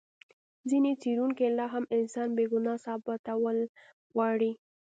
ځینې څېړونکي لا هم انسان بې ګناه ثابتول غواړي.